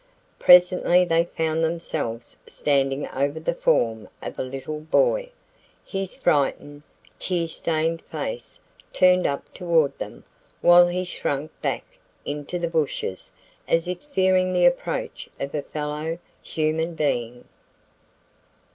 Presently they found themselves standing over the form of a little boy, his frightened, tear stained face turned up toward them while he shrank back into the bushes as if fearing the approach of a fellow human being.